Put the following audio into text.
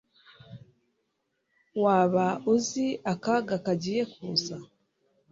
waba uzi akaga kagiye kuza